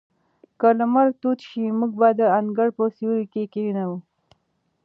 که لمر تود شي، موږ به د انګړ په سیوري کې کښېنو.